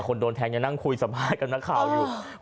คนโดนแทงยังนั่งคุยสัมภาษณ์กับนักข่าวอยู่